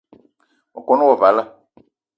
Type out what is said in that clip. Me kon wo vala